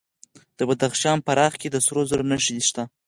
د بدخشان په راغ کې د سرو زرو نښې شته.